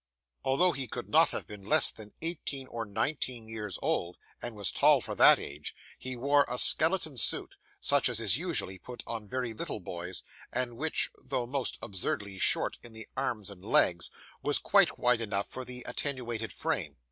Although he could not have been less than eighteen or nineteen years old, and was tall for that age, he wore a skeleton suit, such as is usually put upon very little boys, and which, though most absurdly short in the arms and legs, was quite wide enough for his attenuated frame.